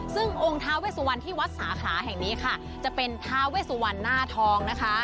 ซึ่งองค์ท้าเวสวันที่วัดสาขาแห่งนี้ค่ะจะเป็นทาเวสุวรรณหน้าทองนะคะ